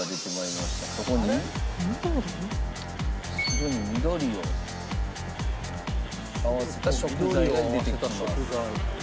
白に緑を合わせた食材が出てきます。